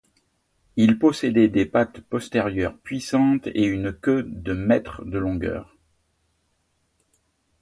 Il possédait des pattes postérieures puissantes et une queue de mètres de longueur.